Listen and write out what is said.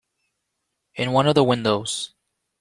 In one of the windows.